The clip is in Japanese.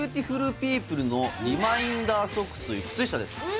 ピープルのリマインダーソックスという靴下です